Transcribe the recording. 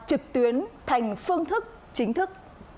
trực tuyến thành phương thức chính thức